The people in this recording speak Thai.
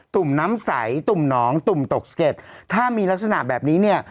ุ่มน้ำใสตุ่มหนองตุ่มตกสะเก็ดถ้ามีลักษณะแบบนี้เนี่ย